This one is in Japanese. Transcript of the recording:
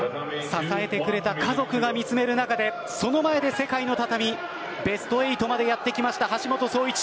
支えてくれた家族が見つめる中でその前で、世界の畳ベスト８までやってきた橋本壮市。